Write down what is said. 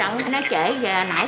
nó trễ về nãy